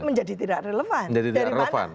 menjadi tidak relevan